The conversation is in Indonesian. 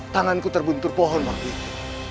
tanganku terbuntur pohon waktu itu